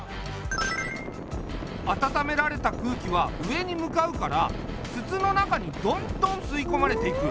温められた空気は上に向かうから筒の中にどんどん吸い込まれていく。